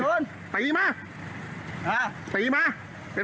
ตายเลยตายเลย